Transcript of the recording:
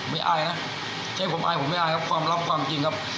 อายนะใช้ความอายผมไม่อายครับความลับความจริงครับ